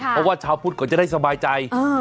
เพราะว่าชาวพุทธเขาจะได้สบายใจ